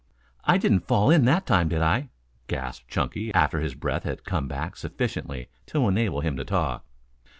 "I didn't fall in that time, did I?" gasped Chunky, after his breath had come back sufficiently to enable him to talk.